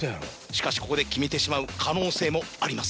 しかしここで決めてしまう可能性もあります。